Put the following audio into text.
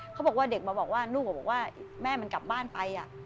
เขาบอกว่าเด็กมาบอกว่าลูกก็บอกว่าแม่มันกลับบ้านไป